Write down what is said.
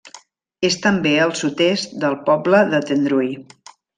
És també al sud-est del poble de Tendrui.